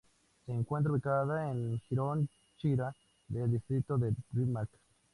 Se encuentra ubicada en el jirón Chira del distrito del Rímac.